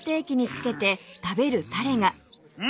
うん。